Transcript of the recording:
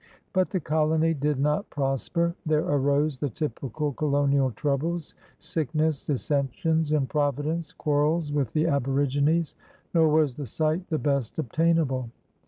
But the colony did not prosper. There arose the typical colonial troubles — sickness, dissensions, improvidence, quarrels with the aborigines. Nor was the site the best obtainable.